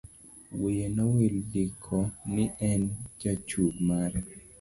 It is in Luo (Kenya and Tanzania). Wiye nowil ndiko ni en jachung' mare.